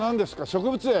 植物園？